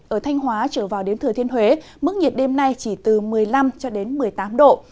ở thanh hóa trở vào đến thừa thiên huế mức nhiệt đêm nay chỉ từ một mươi năm một mươi tám độ